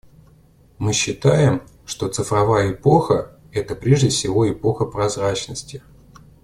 Мы считаем, что цифровая эпоха — это прежде всего эпоха прозрачности.